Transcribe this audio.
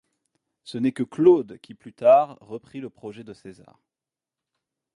Ce n'est que Claude qui plus tard reprit le projet de César.